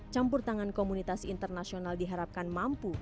campur tangan komunitas internasional diharapkan mampu